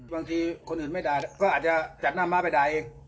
บางทีคนอื่นไม่ด่าก็อาจจะจัดหน้าม้าไปด่าเอง